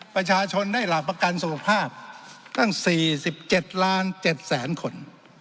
ประชาชนได้หลักประกันสุขภาพตั้ง๔๗ล้าน๗๗๐๐๐คน